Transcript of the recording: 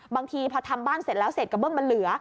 บางทีพอทำบ้านเสร็จแล้วเสร็จกระเบื้องมันเหลือ